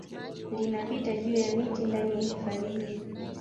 Linapita juu ya miti ndani ya hifadhi hii